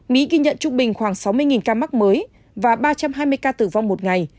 mỹ ghi nhận trung bình khoảng sáu mươi ca mắc mới và ba trăm hai mươi ca tử vong một ngày